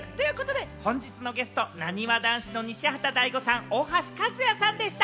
本日のゲスト、なにわ男子の西畑大吾さん、大橋和也さんでした。